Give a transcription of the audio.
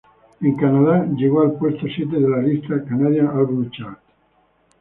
En Canadá, llegó al puesto siete de la lista "Canadian Albums Chart".